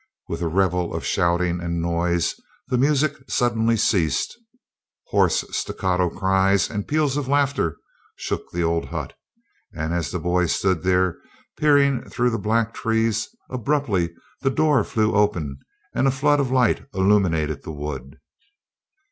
With a revel of shouting and noise, the music suddenly ceased. Hoarse staccato cries and peals of laughter shook the old hut, and as the boy stood there peering through the black trees, abruptly the door flew open and a flood of light illumined the wood.